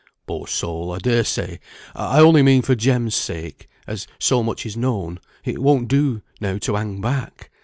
"Poor soul! I dare say. I only mean for Jem's sake; as so much is known, it won't do now to hang back.